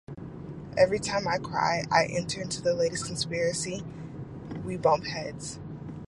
Every time I try to enter into his latest conspiracy we bump heads.